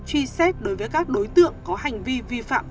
truy xét đối với các đối tượng có hành vi vi phạm pháp luật